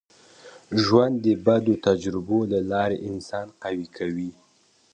ژوند د بدو تجربو له لاري انسان قوي کوي.